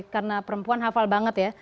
karena perempuan hafal banget ya